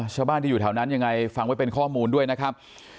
ชาวบ้านที่อยู่แถวนั้นยังไงฟังไว้เป็นข้อมูลด้วยนะครับ